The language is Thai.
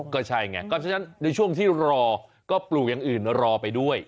ก็ใช่ไงก็ฉะนั้นในช่วงที่รอก็ปลูกอย่างอื่นรอไปด้วย